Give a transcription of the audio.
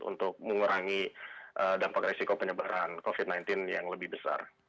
untuk mengurangi dampak resiko penyebaran covid sembilan belas yang lebih besar